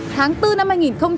tháng bốn năm hai nghìn hai mươi